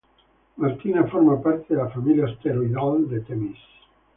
Martina forma parte de la familia asteroidal de Temis.